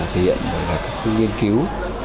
thể hiện các nghiên cứu